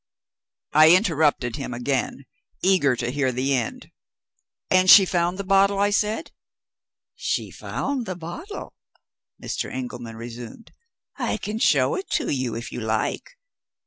I interrupted him again, eager to hear the end. "And she found the bottle?" I said. "She found the bottle," Mr. Engelman resumed. "I can show it to you, if you like.